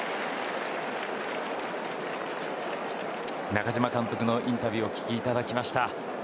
中嶋監督のインタビューをお聞きいただきました。